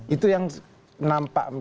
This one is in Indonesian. itu yang menampak